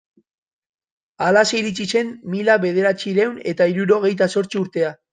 Halaxe iritsi zen mila bederatziehun eta hirurogeita zortzi urtea.